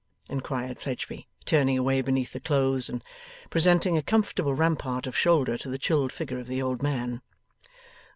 inquired Fledgeby, turning away beneath the clothes, and presenting a comfortable rampart of shoulder to the chilled figure of the old man.